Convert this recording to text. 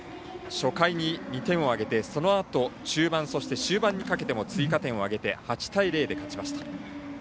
初回に２点を挙げたあと中盤、終盤にかけても追加点を挙げて８対０で勝ちました。